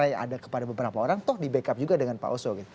yang di narai ada kepada beberapa orang toh di back up juga dengan pak osok